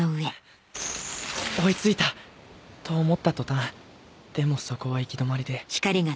追いついた！と思った途端でもそこは行き止まりで